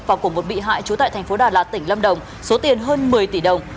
và của một bị hại trú tại thành phố đà lạt tỉnh lâm đồng số tiền hơn một mươi tỷ đồng